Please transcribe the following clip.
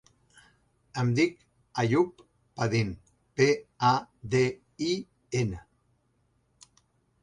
Em dic Àyoub Padin: pe, a, de, i, ena.